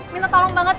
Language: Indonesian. minta tolong banget ya